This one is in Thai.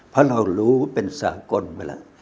เพราะเรารู้เป็นสากลมาแล้ว